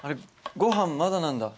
ごはんまだなんだ。